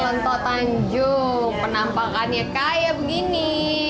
contoh tanjung penampakannya kayak begini